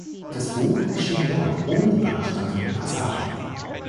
Das Buch erschien neu ohne die beanstandeten Passagen.